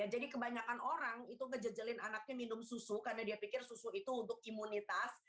jadi kebanyakan orang itu ngejejelin anaknya minum susu karena dia pikir susu itu untuk imunitas